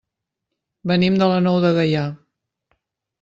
Venim de la Nou de Gaià.